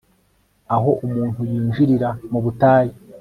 aho umuntu yinjirira mu butayu